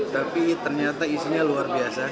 tapi ternyata isinya luar biasa